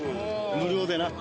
無料でな。